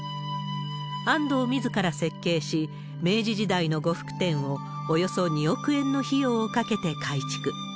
安藤みずから設計し、明治時代の呉服店をおよそ２億円の費用をかけて改築。